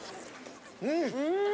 うん！